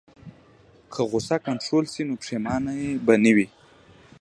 که غوسه کنټرول شي، نو پښیماني به نه وي.